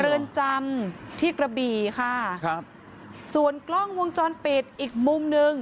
เรือนจำที่กระบี่ค่ะครับส่วนกล้องวงจรปิดอีกมุมหนึ่ง